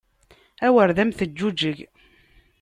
Awer d am teǧǧuǧeg!